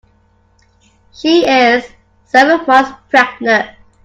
She is seven months pregnant.